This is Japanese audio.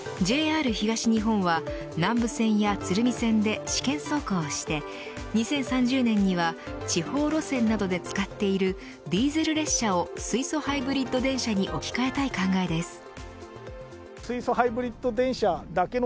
ＪＲ東日本は南武線や鶴見線で試験走行をして２０３０年には地方路線などで使っているディーゼル列車を水素ハイブリッド電車に置き換えたい考えです。